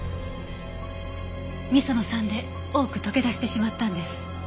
味噌の酸で多く溶け出してしまったんです。